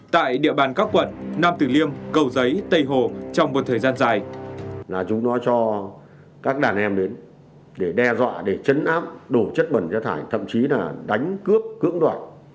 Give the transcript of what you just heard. tại địa bàn các quận nam tử liêm cầu giấy tây hồ trong một thời gian dài